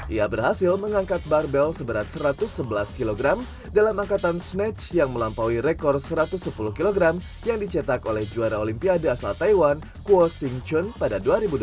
ia berhasil mengangkat barbel seberat satu ratus sebelas kg dalam angkatan snatch yang melampaui rekor satu ratus sepuluh kg yang dicetak oleh juara olimpiade asal taiwan kuo sing chun pada dua ribu dua puluh